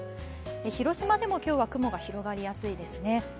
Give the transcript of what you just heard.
広島でも今日は雲が広がりやすいですね。